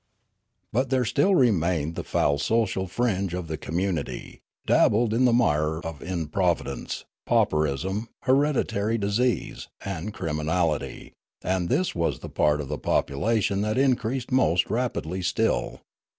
" But there still remained the foul social fringe of the community, dabbled in the mire of improvidence, pauperism, hereditary disease, and criminality, and this was the part of the population that increased most rapidl}' still.